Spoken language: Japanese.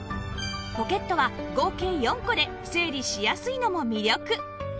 ポケットは合計４個で整理しやすいのも魅力